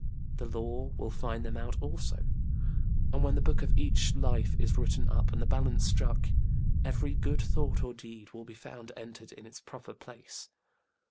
The Law will find them out also; and when the book of each life is written up and the balance struck, every good thought or deed will be found entered in its proper place.